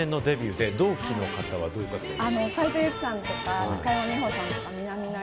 ８３年のデビューで同期の方はどういう方が？